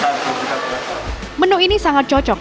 kami kambing ini juga sangat cocok